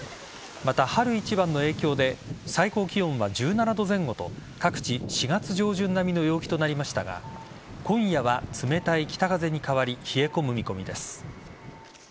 また、春一番の影響で最高気温は１７度前後と各地、４月上旬並みの陽気となりましたが今夜は冷たい北風に変わり冷え込む見込みです。